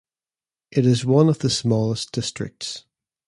It is one of the smallest districts.